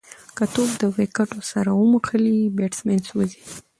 که توپ د وکټو سره وموښلي، بېټسمېن سوځي.